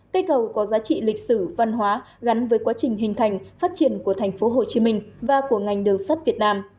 cây cầu có giá trị lịch sử văn hóa gắn với quá trình hình thành phát triển của tp hcm và của ngành đường sắt việt nam